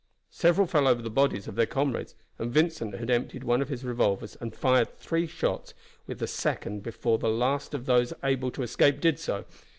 Several fell over the bodies of their comrades, and Vincent had emptied one of his revolvers and fired three shots with the second before the last of those able to escape did so.